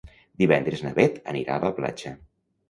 Divendres na Beth anirà a la platja.